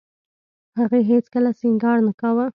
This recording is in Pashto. هغې هېڅ کله سينګار نه کاوه.